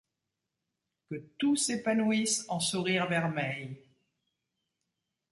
Que tout s’épanouisse en sourire vermeil!